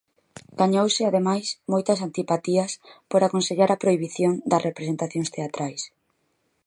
Gañouse ademais moitas antipatías por aconsellar a prohibición das representacións teatrais.